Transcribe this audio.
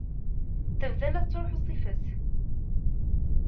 Tebda la as-tettṛuḥu ṣṣifa-s.